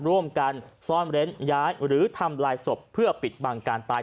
ร่วมกันซ่อนเร้นย้ายหรือทำลายศพเพื่อปิดบังการตาย